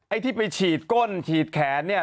ไอ้ที่ไปฉีดก้นฉีดแขนเนี่ย